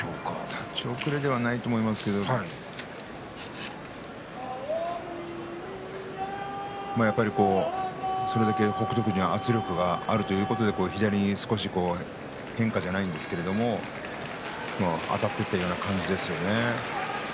立ち遅れではないと思いますがやっぱり、それだけ北勝富士の圧力があるということで左に少し変化じゃないんですけれどあたっていったような感じですよね。